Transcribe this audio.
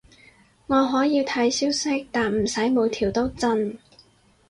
我可以睇消息，但唔使每條都震